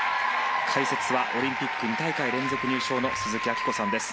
解説はオリンピック２大会連続入賞の鈴木明子さんです。